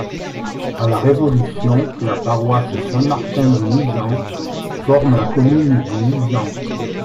À la Révolution, la paroisse Saint-Martin du Nizan forme la commune du Nizan.